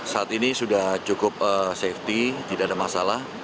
saat ini sudah cukup safety tidak ada masalah